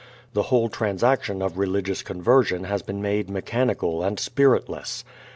The whole transaction of religious conversion has been made mechanical and spiritless.